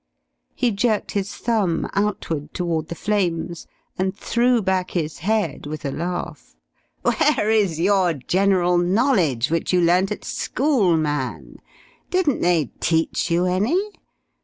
He jerked his thumb outward toward the flames and threw back his head with a laugh. "Where is your 'general knowledge' which you learnt at school, man? Didn't they teach you any?